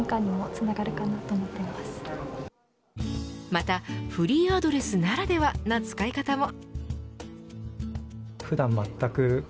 またフリーアドレスならではな使い方も。